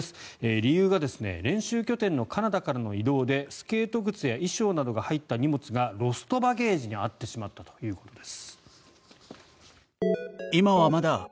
理由が練習拠点のカナダからの移動でスケート靴や衣装などが入った荷物がロストバゲージに遭ってしまったということです。